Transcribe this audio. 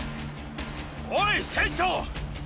おい、船長！